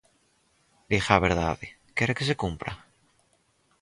Diga a verdade: ¿quere que se cumpra?